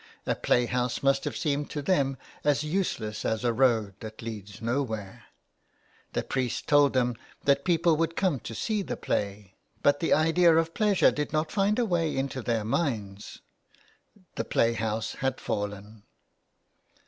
A play house must have seemed to them as useless as a road that leads nowhere. The priest told them that people would come to sec the play, but the idea of pleasure did not find a way into their minds ? The play house had fallen